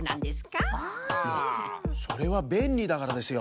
それはべんりだからですよ。